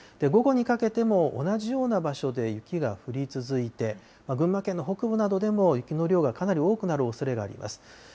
午後にかけても同じような場所で雪が降り続いて、群馬県の北部などでも雪の量がかなり多くなるおそれがあります。